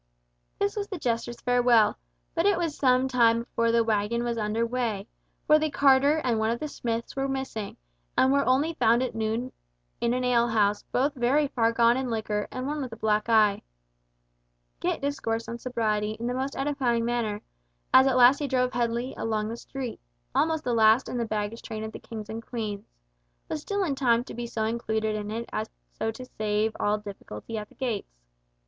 This was the jester's farewell, but it was some time before the waggon was under way, for the carter and one of the smiths were missing, and were only at noon found in an alehouse, both very far gone in liquor, and one with a black eye. Kit discoursed on sobriety in the most edifying manner, as at last he drove heavily along the street, almost the last in the baggage train of the king and queens—but still in time to be so included in it so as to save all difficulty at the gates.